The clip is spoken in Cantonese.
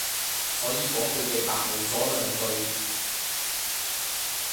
所以廣告對白無咗兩句